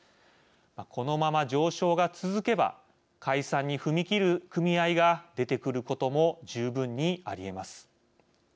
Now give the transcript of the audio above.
このまま上昇が続けば解散に踏み切る組合が出てくることも十分にありえます。